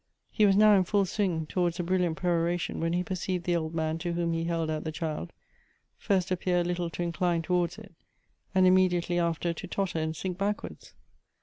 " He was now in full swing towards a brilliant peroration when he perceived the old man to whom he held out the child, first appear a little to incline towards it, and immediately after to totter and sink backwards.